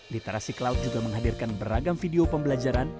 literasi cloud juga menghadirkan beragam video pembelajaran